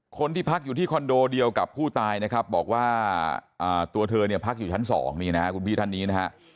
คนที่พักอยู่ที่คอนโดเดียวกับผู้ตายนะครับบอกว่าตัวเธอเนี่ยพักอยู่ชั้น๒นี่นะครับคุณพี่ท่านนี้นะฮะ